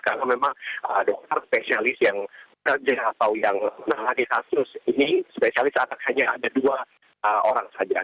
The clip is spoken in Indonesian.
karena memang dokter spesialis yang kerja atau yang melalui kasus ini spesialis hanya ada dua orang saja